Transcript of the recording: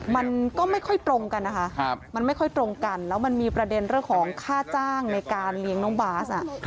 มันก็ไม่ค่อยตรงกันนะคะมันไม่ค่อยตรงกันแล้วมันมีประเด็นเรื่องของค่าจ้างในการเลี้ยงน้องบาส